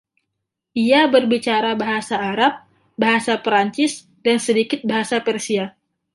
Ia berbicara bahasa Arab, bahasa Perancis, dan sedikit bahasa Persia.